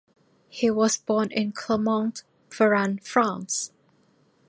He was born in Clermont-Ferrand, France.